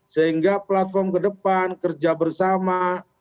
sehingga platform ke depan kerja bersama